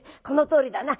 このとおりだ。